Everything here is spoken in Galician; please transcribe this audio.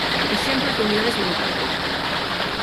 Exemplos de unidades monetarias.